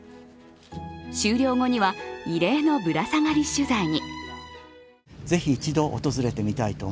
終了後には異例のぶら下がり取材に。